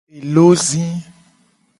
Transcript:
Elo zi.